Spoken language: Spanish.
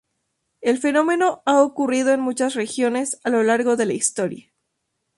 El fenómeno ha ocurrido en muchas regiones a lo largo de la historia.